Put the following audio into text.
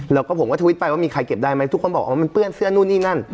แล้วก็ผมก็ทวิตไปว่ามีใครเก็บได้ไหมทุกคนบอกว่ามันเปื้อนเสื้อนู่นนี่นั่น